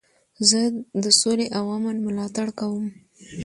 زه د سولي او امن ملاتړ کوم.